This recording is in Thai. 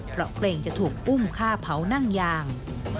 เพราะเกรงจะถูกอุ้มฆ่าเผานั่งยาง